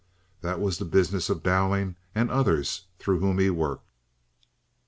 That was the business of Dowling and others through whom he worked.